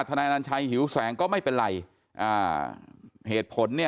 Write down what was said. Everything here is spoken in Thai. เพราะทนายอันนันชายชายเดชาบอกว่าจะเป็นการเอาคืนยังไง